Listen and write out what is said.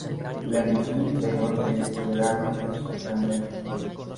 La emoción interior que desplegaron fue sorprendente.